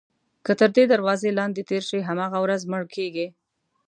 که تر دې دروازې لاندې تېر شي هماغه ورځ مړ کېږي.